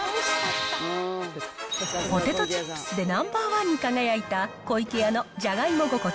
ポテトチップスでナンバーワンに輝いた湖池屋のじゃがいも心地